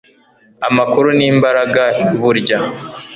Amakuru ni imbaraga burya